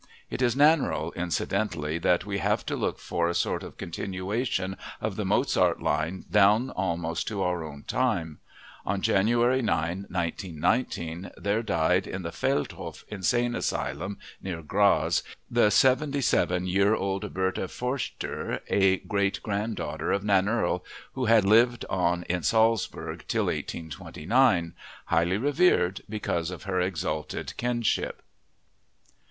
It is a Nannerl, incidentally, that we have to look for a sort of continuation of the Mozart line down almost to our own time. On January 9, 1919, there died in the Feldhof Insane Asylum, near Graz, the seventy seven year old Bertha Forschter, a great granddaughter of Nannerl, who had lived on in Salzburg til 1829, highly revered because of her exalted kinship.